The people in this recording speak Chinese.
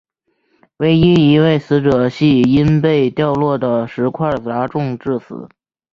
唯一一位死者系因被掉落的石块砸中致死。